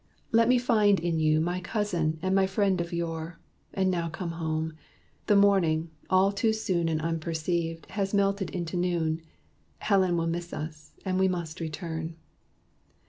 Let me find In you my cousin and my friend of yore And now come home. The morning, all too soon And unperceived, has melted into noon. Helen will miss us, and we must return."